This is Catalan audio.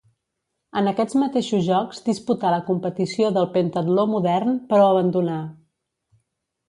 En aquests mateixos Jocs disputà la competició del pentatló modern, però abandonà.